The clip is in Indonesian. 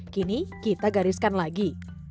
kini kita gariskan lagi